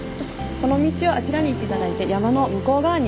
この道をあちらに行っていただいて山の向こう側になります。